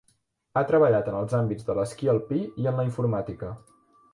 Ha treballat en els àmbits de l'esquí alpí i en la informàtica.